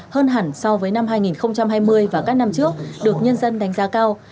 hơn hẳn so với năm hai nghìn hai mươi và các năm trước được nhân dân đánh giá cao